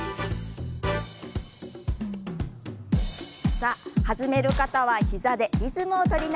さあ弾める方は膝でリズムを取りながら。